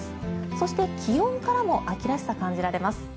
そして、気温からも秋らしさ、感じられます。